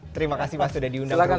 terima kasih mas sudah diundang bersama